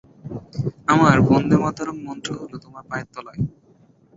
আমার বন্দেমাতরং মন্ত্র রইল তোমার পায়ের তলায়।